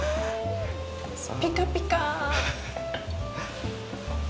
ピカピカ！